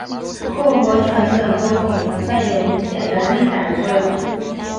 薄荷醇等多种成分有明显的利胆作用。